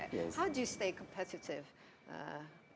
bagaimana anda menjaga kompetitifnya